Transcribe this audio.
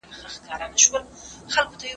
د نفس غوښتني نه منل کېږي.